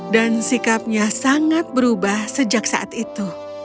dan sikapnya sangat berubah sejak saat itu